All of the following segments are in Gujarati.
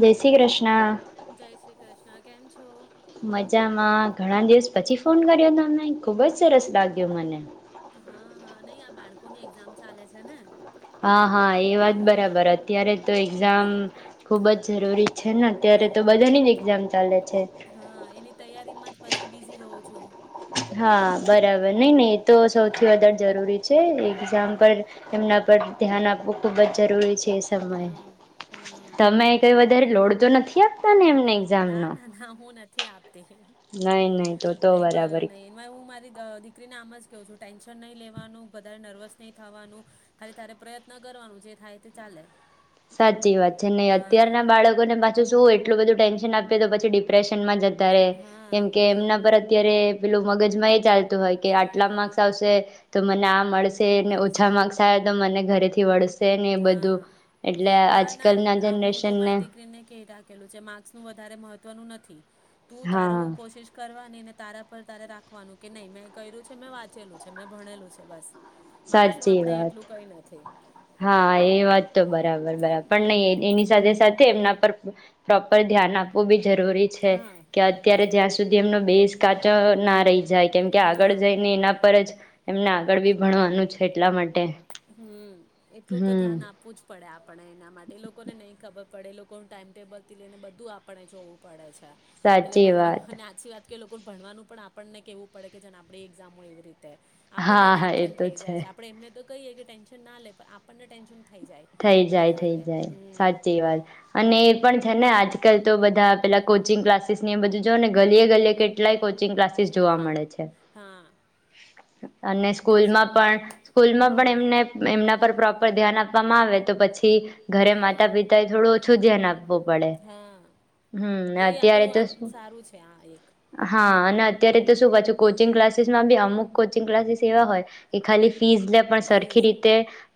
જય શ્રી કૃષ્ણ. જય શ્રી કૃષ્ણ. કેમ છો? મજામાં ઘણા દિવસ પછી ફોન કર્યો તમને ખુબ જ સરસ લાગ્યો મને. હા હા નય આ બાળકો ની એક્ઝામ ચાલે છે ને. હા હા એ વાત હા બરાબર અત્યારે તો એક્ઝામ ખૂબ જ જરૂરી છે. ત્યારે તો બધાની જ એક્ઝામ ચાલે છે. હા એની તૈયારી માં જ પછી બીઝી રહું છું. [inaudible] હા બરાબર નહી હમ નહી એ તો સૌથી વધારે જરૂરી છે એક્ઝામ હમ પર એમના પર ધ્યાન આપવું ખૂબ જ જરૂરી છે. એ હમ સમય હમ તમે કંઈ વધારે લોડતો નથી આપ ના, ના, ના હું નથી આપતી. નહીં નહીં તો તો નહી બરાબર [unintelligible] નહી હું મારી દ દીકરી ના જ કવું છું ટેન્શન નહીં લેવાનું વધારે નર્વસ નહી થવાનું ખાલી તારે પ્રયત્ન કરવાનું જે થાય તે ચાલે. સાચી વાત છે. નહી હા અત્યારના બાળકોને પાછું શું એટલું બધું ટેન્શન આપીએ તો પછી ડિપ્રેશનમાં જ તા રહે હા કેમ કે એમના પર અત્યારે પેલુ મગજમાં એ ચાલ તું હોય કે આટલા માર્ક્સ આવશે તો મને આ મળ શે ને મળશે ઓછા માર્સ આવે તો મને ઘરેથી તેવાળશ. છે ને એ બધું હા ના ના આજકાલના આ હું તો જનરેશનને મારી દીકરીને કહી રાખેલું છે માર્ક્સનું વધારે મહત્વનું ન થી. તું તાર હા ઉ કોશિશ કરવાની ને. તારા પર તારે રાખવાનું કે નહી મેં કર્યું છે, મેં વાંચેલું છે મેં ભણેલું છે બસ. માર્ક્સનું સાચી આપણે વાત એટલું કઈ નથી. હા એ વાત તો બરાબર બરાબર પણ હમ નહી એની સાથે સાથે એમના પર પ્રોપર ધ્યાન આપવું બી જરૂરી છે હા કે બ અત્યારે જ્યાં સુધી એમનો બેજ કાચો ના રહી જાય કેમ કે આગળ હા જઈ ને એના પર જ એમને આગળ બી ભણવાનું છે એટલા માટે. તો તો હમ ધ્યાન આપવું જ પડે. ને આપણે એના માટે લોકોને નહી ખબર પડે લોકો ટાઈમ ટેબલ થી લઈને બધું આપણે જોવું પડે છે. એટલે સાચી વાત. ભણવામાં સાચી વાત કે લોકોને ભણવાનું પણ આપણને કેહેવું પડે, કે જેને આપણે એઝામ હો એવી રીતે હા આપણને હા એ ટેન્શન તો થઈ જાય છે, આપણે એમને તો કહીએ કે ટેન્શન ના લે આપણને ટેન્શન થઈ જાય થઈ જાય થઈ વધારે જાય સાચી હમ વાત અને એ પણ છે ને આજકાલ તો બધા પેલા કોચિંગ ક્લાસીસ ની એ બજુ જો ને ગલીએ ગલીએ કેટલાય કોચિંગ ક્લાસ જોવા મળે છે. હા અને આ તો સ્કૂલ છે પણ સ્કૂલમાં પણ હમ એમને એમના પર પ્રો પર ધ્યાન પવામાં આવે તો પછી ઘરે હમ માતા પિતા એ થોડું ઓછું ધ્યાન આપવું પડે. હા હમ્મ, એ અત્યારે આપણું તો આમ શું સારું છે આ એક હા અને અત્યારે હમ તો શું પાછુ કોચિંગ ક્લાસી અમુખ કોચિંગ ક્લાસ એવા હોય કે ખાલી ફીસ લે પણ ફેસ સરખી રીતે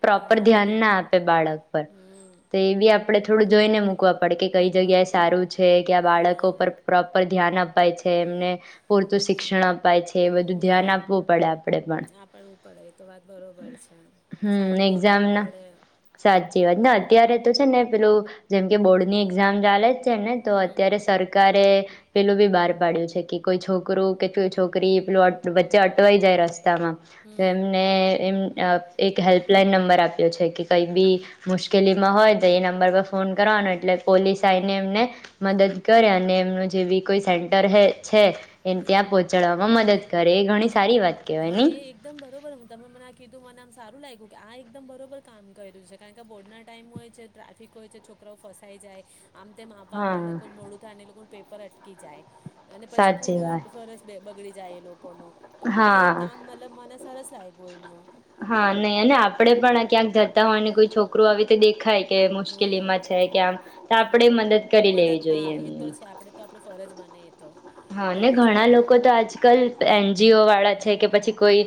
પ્રોપર ભણાવે ધ્યાન ના નહીં આપે બાળક પર હમ તો એ બી આપ આપડે થોડું તો એને મુ કવા પડે કે કઈ મૂકવા જગ્યાએ પડે સારું છે કે આ હા બાળકો પર પ્રોપર ધ્યાન આપ થાય છે એમને પૂરતું હમ શિક્ષણ અપાય છે, એ બધું ધ્યાન હમ આપવું પડે આપડે પણ. આપડવું પડે એ તો વાત બરોબર છે હમ્મ સારી ને એક્ઝામ ગોતવી ના પડે સાચી વાત ના અત્યારે છે ને પેલું જેમ કે બોર્ડ ની એક્ઝામ ચાલે છે ને તો હમ અત્યારે સરકારે પેલો ભી બાર પાડ્યું છે કે કોઈ છોકરું કે કોઈ છોકરી પેલું વચ્ચે અટવાઈ જાય રસ રસ્તા માં તો હમ એમને એમ એક હેલ્પલાઈન નંબર આપ્યો છે કે કંઈ બી મુશ્કેલીમાં હોય તો એ નંબર પર ફોન કરવાનો એટલે પોલીસ આવીને એમને મદદ કરે અને એમનું જે બી કોઈ સે ડરહે છે એને હમ ત્યાં પહોંચાડવામાં મદદ કરે એ ઘણી સારી વાત કેવાય હા ની એ એકદમ બરોબર હું તમે મને આ કીધું મને આમ સારું આ એકદમ બરોબર કામ કર્યું છે કારણ કે બોર્ડના ટાઈમ હોય છે ટ્રાફિક હોય છે છોકરાઓ ફસાઈ જાય આમ તેમ હા આવામાં એ લોકો મોડું થાય એ લોકો પેપર અટકી જાય અને પછી સાચી વાત [unintelligible] બગડી જાય એ લોકો કોનુ તો આ એક હા કામ મતલબ મને સરસ લાગ્યું એમનું આપણે પણ ક્યાંક જતા હોય ને કોઈ છોકરું આવે તો દેખાય કે હમ મુશ્કેલીમાં છે કે આમ આપણેે મદદ કરી લેવી મદદ જોઈએ હા એ તો એમની છે આપડે તો આપણું ફરજ બને એ તો હા ને કરવી જ ઘણા પડે લોકો તો આજકાલ એનજીઓ વાળા છે કે પછી કોઈ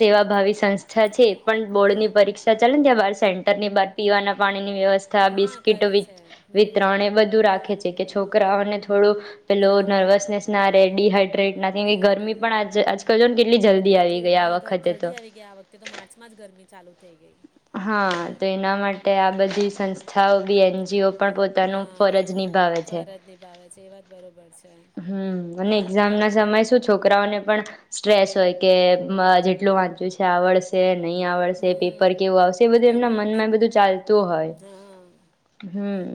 સેવાભાવી સંસ્થા છે પણ બોર્ડ ની પરીક્ષા ચાલે ત્યાં બ સેન્ટર ની બાર ઠંડી બાદ પીવાના પાણી ની પાણીની વ્યવસ્થા હા બિસ્કીટ કરે વિ છે હમ વિતરણ એ બધું રાખે છે કે છો કરાવવાને થોડું પેલો નર્વસનેસ ડીહાઈડ્રેટ ત્રણે નથી બધું રાખે છે કે છોકરાઓને થોડુંક હા નર્વસનેસ ના રહે ડિહાઈડ્રેટ ગરમી ડિહાઈડ્રેટ પણ આજકાલ જો ને કેટલી જલ્દી આવી કેટલી ગરમી ગઈ આ હા વખતે તો ને ચાલુ થઈ ગઈ હા તો એના માટે આ બધી બધું સંસ્થાઓ બી ખાવું પીએ એનજીઓ પણ જીવો પોતાનું પણ પોતાની ફરજ નિભાવે છે ફરજ નિભાવે છે. એ વાત બરોબર છે. હમ્મ અને એક્ઝામ એટલે ના સમયે શું છોકરાઓને પણ સ્ટ્રેસ હોય કે જેટલું વાંચ્યું છે આવડશે નહીં આવડશે પી હમ્મ કેવું આવશે ચાલતું હોય હા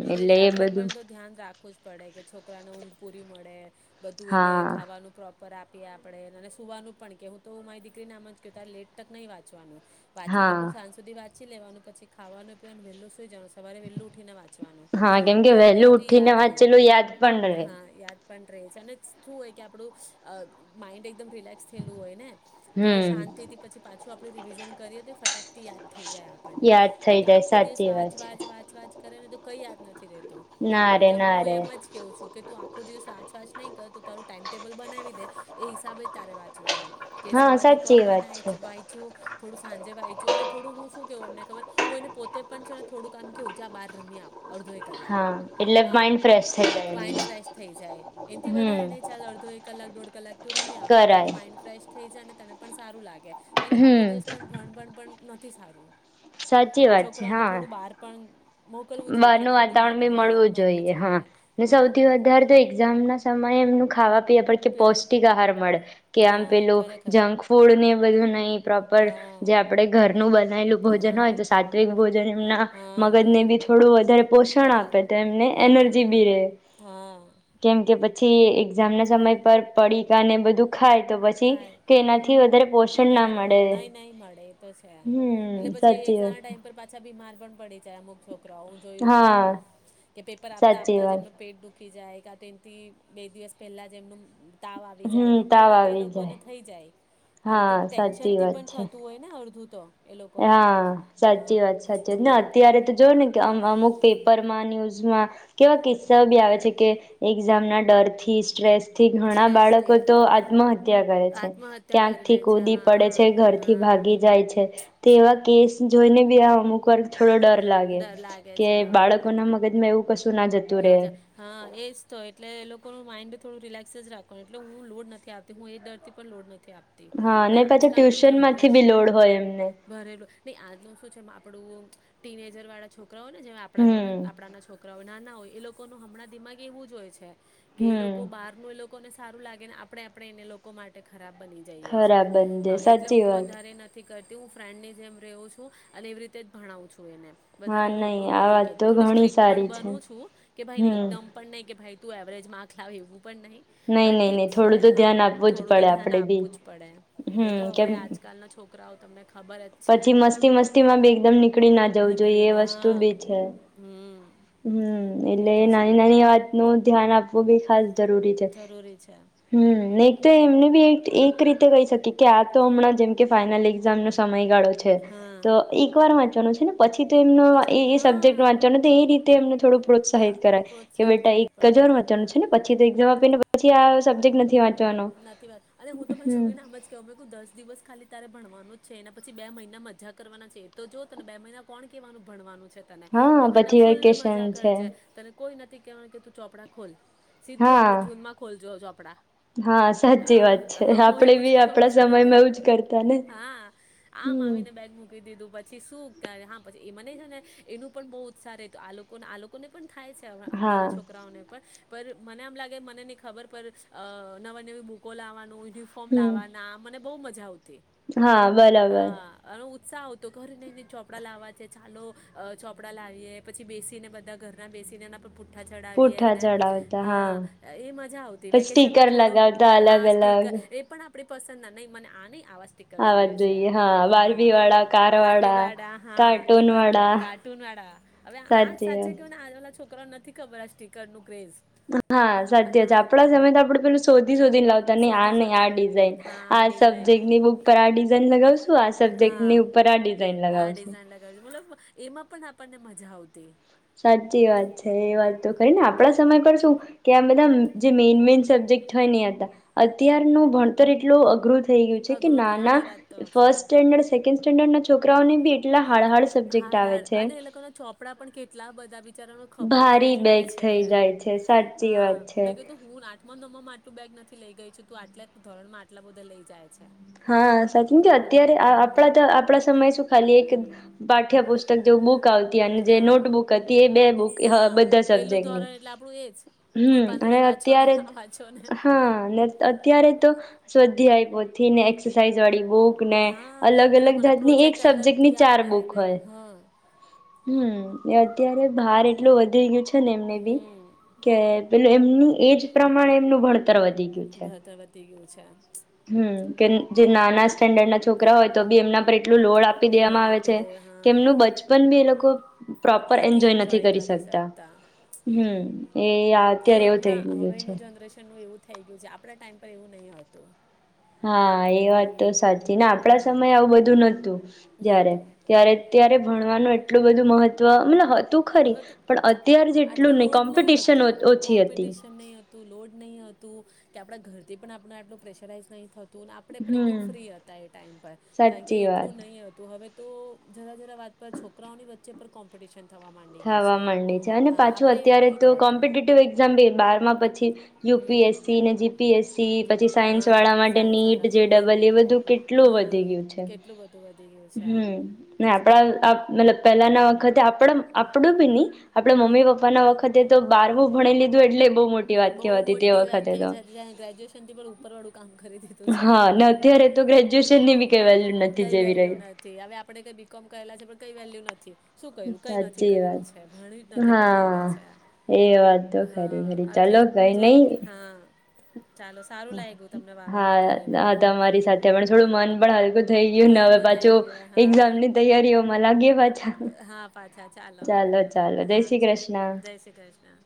એ એટલે આપડે પણ તો ધ્યાન રાખવું જ પડે કે છોકરાને ઊંઘ પૂરી મળે બધું એને હા ખાવાનું પ્રોપર આપ પે આપડે અને સુવાનું પણ કે હું તો મારી દીકરી નામ જ કું તારે લેટ તક નહીં વાંચવાનું. પાછું તેટલું હા સાજ સુધી પછી લેવાનું પછી ખાવાનું ત્યાં ન વહેલું સુઈ સવારે વેલું ઉઠીને વાંચવાનું હા કેમ કે તો વહેલું એનાથી ઉઠીને યાદ રે વાંચેલું યાદ પણ રહે હા યાદ રહે છે અને શું હોય કે આપણું માઇન્ડ એક રિલેક્સ થયેલું હોય ને તો હમ શાંતથી પછી પાછું આપ રિવિઝન કરીએ તો ફટાકથી યાદ થઈ જાય આપણને યાદ થઈ તો જાય આખો દિવસ સાચી વાત વાંચ વાંચ વાંચ કરે તો કઈ યાદ નથી રહેતું. છે ના રે એટલે ના હું રે એમ જ કેવું છું કે તું આખો દિવસ વાંચ વાંચ નહીં કર તું તારું ટાઈમટેબલ બનાવી દે એ હિસાબે તારે વાંચવાનું. કે હા સવાર ની પોર સાચી માં વાત છે નાય વાયચું. થોડું સાંજે વાંચું અને થોડું હું શું કેવું એમને ખબર હું એને પોતે પણ છ ને થોડું કામ કેવું જ્યા બહાર રમી આવ. અડધો એક કલાક હા એટલે હા માઇન્ડ ફ્રેશ થઈ જાય એમને માઇન્ડ ફ્રેશ થઈ જાય એથી વધારે નહી હમ ચાલ અડધો એક કલાક દોઢ કલાક તું રમી આવ તો તારું કરાય માઇન્ડ ફ્રેશ થઈ જાય. તને પણ સારું લાગે. હં ગળપણ નથી સારું. છોકરાઓને થોડું બહાર પણ. મોકલવું જોઈએ બાર કે નું એના વાતાવરણ દિમાગ બી હા મળવું બનવું જોઈએ હા હા સૌથી વધારે તો એક્ઝામ ના સમયે એમનું ખાવા પછી પ્યોર પૌષ્ટિક આહાર મળે કે આમ હા પેલું ખરેખર જંક ફૂડ ને બધુ નહિ. પ્રોપર હા જે આપણે ઘરનું બનાયેલું ભોજન હા હોય તો સાત્વિક ભોજન એમના હા મગજને હા બી થોડું વધારે પોષણ આપે વધારે તો એમને હા એનર્જી બી રહે હા કેમ કે પછી એક્ઝામ ના સમય પર પડી કા ને બધું ખાય તો પછી કાંઈ કે એનાથી વધારે પોષણ ના વધારે મળે, નહીં નહીં મળે એ તો છે એટલે હં પછી સાચી વાત એક્ઝામના ટાઈમ પર પાછા બીમાર પણ પડી જાય અમુક છોક [unintelligible] જોયું છે હા આવું કે પેપર આપતા સાચી આપતા જ વાત એમનું પેટ મૂકી જાય ક આ તો એમથી બે દિવસ પહેલાં જ એમનું તાવ આવી જાય હમ કે કઈ તાવ ના કઈ આવી લોક મને જાય થઈ જાય આ હા બધું સાચી ટેન્શનથી વાત પણ છે થતું હોયને આ બધું. હા સાચી વાત સાચી વાત ને હમ અત્યારે તો જો ને કે અમ અમુક પેપરમાં ન્યુઝ કેવા કિસ્સા બી આવે છે કે એકઝામ ના ડર થી સ્ટ્રેસ થી ઘણા બાળકો સ્ટ્રેસથી તો આત્મહત્યા કરે છે આત્મહત્યા ક્યાંક કરી થી લે છે કૂદી હા પડે છે ઘરથી હા ભાગી જાય છે. આ કેસ જોઈને બી આ અમુક વાર થોડો ડર લાગે ડર લાગે કે છે હા બાળકોના મગજમાં એવું કશું જતું ના રહે જાય હા એજ તો એટલે એ લોકો નું માઇન્ડ થોડું રિલેક્સ જ રાખવાનું એટલે હું લોડ નથી આવતી હું એ દર પણ લોડ નથ થી આપતી હા ને પાછા આજકાલ નું ટ્યુશન માંથી બી જનરેશન લોડ હોય એમને ભરેલું નહી આજનું શું છે પડવું ટીનેજર વાળા છોક રાઓયને જે આપડા જેવા હમ આપડા ના છોકરાઓ ના ના હોય એ લોકો ન હમણાં દિમાગ એવું જ હોય છે. કે એ હમ લોકો બહાર નું એ લોકોને સે સારું લાગે ને આપડે આપડે એને લોકો માટે ખરાબ બની જઈએ છે. ખરા બંધે હા એટલે સાચી હું વાત વધારે નથી કર તે હું ફ્રેન્ડ ની જેમ રહ્યો છું અને એવી રીતે જ ભણાવું છું એને. હા વધારે લોડ નહી નું આ નથી વાત તો કેતી થોડી ઘણી સ્ટ્રીક પણ સારી છે બન છું કે ભાઈ હમ એકદમ પણ નહી કે ભાઈ તું એવરેજ માર્ક લાવ એવું પણ નહી પણ નહી ઠીક નહી છે થોડું તો ધ્યાન હા આપવું જ થોડું તો પડે ધ્યાન આપડે બી આપવું જ પડે હમ નહી તો કેમ હવે આજકાલનો છોક કરાવ તમને પછી મસ્તી મસ્તી માં બી એકદમ નીકળી ના જવું જોઈ એ વસ્તુ બી છે. હં હં, એને નાની નાની વાતનું. ધ્યાન આપવુ બી ખાસ. જરૂરી છે જ જરૂરી છે હ નહિ તો હમ એમને બી એ એક રીત તો કહી શકી કે આ તો હમણાં જેમ કે ફાાઈનલ એક્ઝામ નો સમય. ગાળો છે હા તો એક વાર વાંચ ચલો છે ને પછી તો એમનો પછી એ એ સબ્જેક્ટ હા વાંચવા નો તો એ રીત થોડું હા પ્રોત્સાહિત કરાય કે પ્રોત્સાહિત બેટા કરવું એક જ પડે વાર વાંચવાનું છે ને. પછી તો એક્ઝામ આપીને પછી આ સબ્જેક નથી વા નથી વાંચવાનો અને હું તો મારી છોકરી ને એમ જ કહું મેં કીધું દસ દિવસ ખાલી ત્યારે ભણવાનું જ છે એના પછી બે મહિના મજા કરવાના છે તો જો તને બે મહિના કોણ કેહેવાનું ભણવાનું. છે તને બે હા મહિના પછી ફૂલ વેકેશન મજા કરે છે તને કોઈ નથી કેહેવાનું કે તું ચોપડા ખોલ. સીધું હા આપણે જૂનમાં ખોલજો [unintelligible] કપડા સાચી વાત હા હ છે હું આપડે એવું જ બી કેવું આપડા સમયમાં છું એવું જ કરતા ને હા આમ હમ આવીને બેગ મૂકી દીધું પછી શું હા પછી એ મને છે ને એનું પણ બહુ ઉત્સાહ આ લોકોને આ લોકોને પણ થાય છે હા હમણાંના છોકરાઓને પણ પર મને એમ લાગે મને ની ખબર પર અ નવા નવી બુકો લાવવાનું યુનિફોર્મ હમ લાવાના મને બોહ મજા આવતી. હા બરાબર. હા અને ઉત્સાહ આવતો ઘર નને ચોપડા લાવવા છે ચાલો ચોપડા લાવીએે પછી બેસીને બધા ઘરના બેસીને એના પર પૂટ પૂઠા ચડાવીએ પૂઠા ને ચડાવતા હા એ મજા આવતી પછી વેકેશન સ્ટીકર લગાવતા અલગ હા અલગ સ્ટીકર એ પણ આપ આપણી પસંદના નહીં મને આ નઇ. આવા સ્ટીકર આવા જુઇએ જ છે જોઈએ હા બારબી વાળા કાર વાળા બાર્બીવાળા હા એ કાર્ટૂન બધા વાળા કાર્ટૂન વાળા હવે આ સાચી સાચે વાત. કેવું ને આજના વાળા છોકરા છોકરાઓ નથી ખબર આ સ્ટીકરનુ. હા સાચે જ આપડા સમયમાં આપડે પેલું શોધી શોધી લાવતા નહી આ શોધી નહી શોધી આ ડિઝાઇન હા આ ડિઝાઇન સબ્જેક્ટની બુક પર આ ડિઝાઇન લગાવશું આ સબ્જેક્ટની હા ઉપર આ ડિઝાઇન આ લગાવશું. ડિઝાઇન લગાવી મતલબ એમાં પણ આપણને મજા આવતી. સાચી વાત છે એ હમ વાત તો ખરી ને આપડા તમે કરશું કે આ બધા જે મેઇન મેઇન સબ્જેક્ટ થઈ નહિ હતા અત્યારનું ભણતર એટલુ અઘર થઇ ગયું છે કે અઘરું થાય હા નાના એ વાત તો છે ફર્સ્ટ સ્ટાન્ડર્ડ સે ટેન સ્ટેન્ડર્ડના છોકરાઓને બી એટલા હાળહાળ સબ્જેક્ટ હાર્ડ આવે હાર્ડ છે અને એ લોકો ના ચોપડા પણ કેટલા બદ બચારાનો ખભો વળી ભારી જાય બેગ છે થઈ જાય છે સાચી હા વાત છે મેં કીધું હું આઠમા નમ્બર માટે બેગ નથી લઈ ગઈ છેું તું આટલા ધોરણમાં આટલા બધા લઈ જાય. છે હા સાચીન કે અત્યારે હમ આપણા આપડા સમય શું ખાલી એક પાઠ્યપુસ્તક જેવુ મુખ તો ત્યારે જે હા નોટબુક હતી એ બે બુક હા બધા પેલું સબજેક્ટની ધોરણ એટલે આપણું એ જ ફૂલ હ અને પાંદડી વાંચો ને અત્યારે આ વાંચો ને હા ને અત્યારે તો સ્વાધ્યાય થીમ એક્સરસાાઈઝ વાળી બુક ને હા અલગ એ અલગ લોકોને જાતની એક પ્રોજેક્ટ સબ્જેક્ટની અલગથી ચાર આપે બુક અને હોય હા હં એ અત્યારે બાર એટલુ વધી ગયું છે. છે ને એમને બી હમ કે પેલુ એમનુ એજ પ્રમાણે એમનું ભણતર તર વધી ગયું છે. ભણતર [inaudible] હમ કે જે હવે નાના સ્ટેન્ડર્ડ ના છોકરા હોય તો બી એમના પર એટલું લોડ આપી લોડ દેવામાં આવે આપી છે. દે કે હા એમનું બચપન બી એ લોકો પ્રોપર એન્જોય નથી કરી શકતા. હમ્મ. એ એ અત્યારે એવું થઇ હમણાં ગીયું છે. હવેનું જનરેશનનું એવું થઈ ગયું છે આપણા ટાઈમ પર એવું નહી હતું. હા એ હમ વાત તો સાચી ને આપડા હમ સમયે આવું બધું નતું જયારે. નતું ત્યારે ત્યારે ભણવાનું એટલું બધું મહત્વ મતલબ હત હતું આટલું લોડ નહી કોમ્પિટિશન હતું. ઓછી હતી કોમ્પિટિશન નહી હતું. લોડ નહી હતું. કે આપણા ઘરથી પણ આપણું આટલું પ્રેશરાઈઝ નહીં થત આપણે પણ એકદમ હમ ફ્રી હતા એ ટાઈમ પર કારણ કે સાચી વાત એટલું નહી હતું. હવે તો જરા જરા વાત પર છોકરાઓની વચ્ચે પણ કોમ્પિટિશન થવામાં થવા માંડે છે અને પાછું એવું અત્યારે નહીં તો કરતા કોમ્પિટેટિવ એક્ઝામ બારમાં પછી યુપી હમ એસસીને, જીપીએસસી જી બેન પછી સાયન્સ હા વાળા માટે સાયન્સ નીટ જે વાળાનું ની ડબલ બેન ઈ બધું કેટલું હા વધી ગયું છે. કેટલું બધું વધી ગયું છે હમ્મ ને આપણા મતલબ પહેલા ના વખતે આપડમ આપડું બી ની. આપડે હમ મમ્મી પપ્પા ના વખતે તો બારવું ભણી લીધું એટલે બહુ મોટી વાત બહુ કહેવાતી તે મોટી વાત વખતે થઈ તો જ ગ્રેજ્યુએશન થી પણ ઉપર વાળું કામ કરી દીધું. છે હા ને અત્યારે તો ગ્રેજ્યુએશનની બી કઈ વેલ્યુ નથી કઈ જેવી વેલ્યુ રહ્યું. નથી હવે આપણે કઈ બીકોમ કરેલા છે પણ કઈ વેલ્યુ નથી. શું કર્યું કઈ નથી કર્યું છે. ભણ્યું જ નથી આવું લાગે હા છે. એ વાત તો ખરી ખરી હ એટલે ચાલો કઈ જેમ નહી હા. ચાલો સારું લાગ્યું તમને વા વાત હા કરીને હા તમારી સાથે પણ થોડું મન પણ હલકું થઈ ગયું. ને હવે હલકો થઈ પાછું ગયો હા એક્ઝામ ની તૈયારીઓમાં લાગી પાછા. હા પાછા ચાલો ચાલો જય હા શ્રી ચાલો કૃષ્ણ. જય શ્રી કૃષ્ણ